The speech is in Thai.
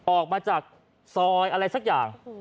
ออกมาจากซอยอะไรสักอย่าง